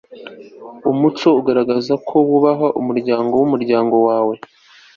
umuco, ugaragaza ko wubaha umuryango n'umuryango wawe